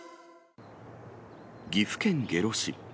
岐阜県下呂市。